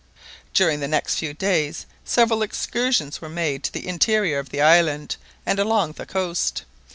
During the next few days, several excursions were made to the interior of the island and along the coast.